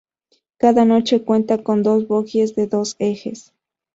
Cada coche cuenta con dos bogies de dos ejes.